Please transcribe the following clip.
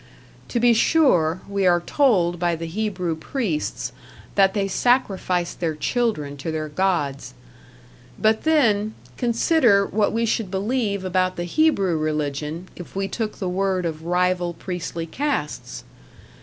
To be sure, we are told by the Hebrew priests that they sacrificed their children to their gods; but then, consider what we should believe about the Hebrew religion, if we took the word of rival priestly castes!